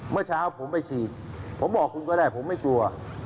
เมื่อเช้าผมไปฉีดผมบอกคุณก็ได้ผมไม่กลัว